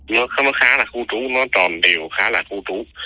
nó khá là khu trú nó tròn đều khá là khu trú